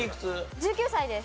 １９歳です。